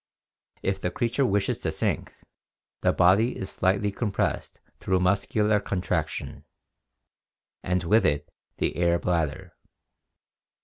If the creature wishes to sink, the body is slightly compressed through muscular contraction, and with it the air bladder.